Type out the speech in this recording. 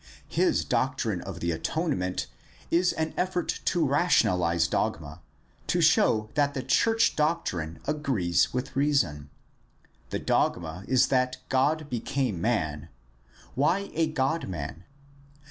His doctrine of the atonement is an effort to rationalize dogma, to show that the church doctrine agrees with reason. The dogma is that God became man. Why a God man